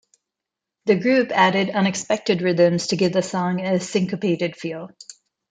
The group added unexpected rhythms to give the song a syncopated feel.